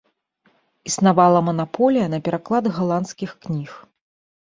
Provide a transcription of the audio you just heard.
Існавала манаполія на пераклад галандскіх кніг.